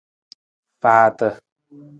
Faata.